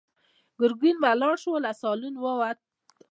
ګرګين ولاړ شو، له سالونه ووت.